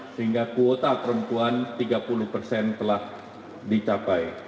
sehingga kuota perempuan tiga puluh persen telah dicapai